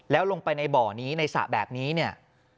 แล้วลงไปในบ่อนี้ในสระแบบนี้เนี่ย